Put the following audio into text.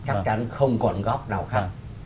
chắc chắn không còn góc nào khác